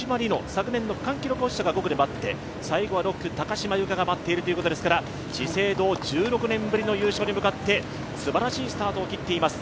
昨年の区間記録保持者が５区で待って、最後は６区、高島由香が待っているということですから、資生堂、１６年ぶりの優勝に向かってすばらしいスタートを切っています。